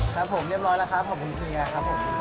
ครับผมเรียบร้อยแล้วครับขอบคุณเชียร์ครับผม